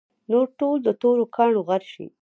نور ټول د تورو کاڼو غر شي.